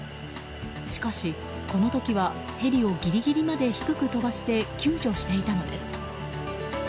しかしこの時はヘリをギリギリまで低く飛ばして救助していたのです。